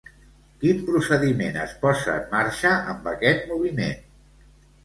Quin procediment es posa en marxa amb aquest moviment?